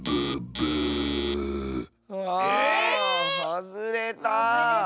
はずれた。